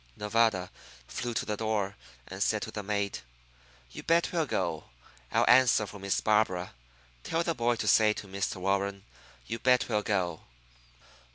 Nevada flew to the door, and said to the maid: "You bet we'll go. I'll answer for Miss Barbara. Tell the boy to say to Mr. Warren, 'You bet we'll go.'"